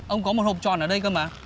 ông có một hộp tròn ở đây cơ mà